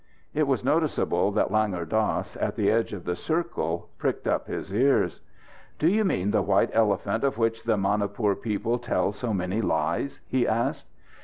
It was noticeable that Langur Dass, at the edge of the circle, pricked up his ears. "Do you mean the white elephant of which the Manipur people tell so many lies?" he asked.